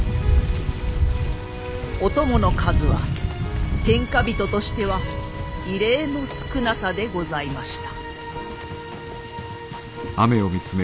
お供の数は天下人としては異例の少なさでございました。